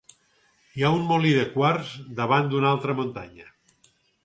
Hi ha un molí de quars davant d'una altra muntanya.